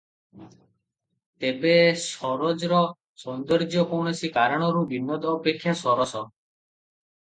ତେବେ ସରୋଜର ସୌନ୍ଦର୍ଯ୍ୟ କୌଣସି କାରଣରୁ ବିନୋଦ ଅପେକ୍ଷା ସରସ ।